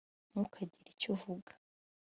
ntukagire icyo uvuga